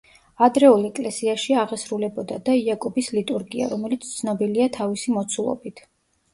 ადრეულ ეკლესიაში აღესრულებოდა და იაკობის ლიტურგია, რომელიც ცნობილია თავისი მოცულობით.